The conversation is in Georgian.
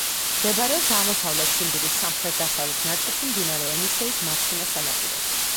მდებარეობს აღმოსავლეთ ციმბირის სამხრეთ-დასავლეთ ნაწილში, მდინარე ენისეის მარცხენა სანაპიროზე.